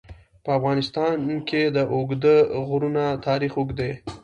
په افغانستان کې د اوږده غرونه تاریخ اوږد دی.